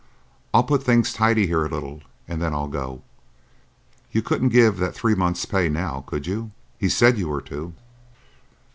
I'll put things tidy here a little, and then I'll go. You couldn't give the that three months' pay now, could you? He said you were to."